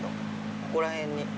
ここら辺に。